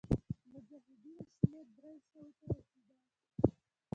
د مجاهدینو شمېر دریو سوو ته رسېدی.